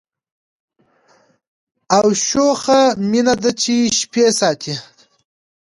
او شوخه مینه ده چي شپې ساتي